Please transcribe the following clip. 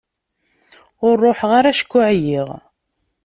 Ur ruḥeɣ ara acku ɛyiɣ.